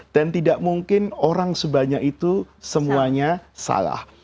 dan tidak mungkin orang sebanyak itu semuanya salah